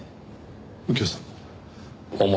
右京さんも？